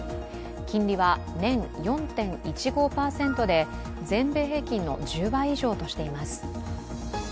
金利は年４．１５％で全米平均の１０倍以上としています。